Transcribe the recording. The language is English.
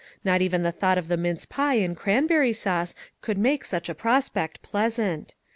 Not even the thought of the mince pie and cranberry sauce could make such a prospect pleasant.